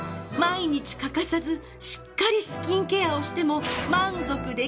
毎日欠かさずしっかりスキンケアをしても。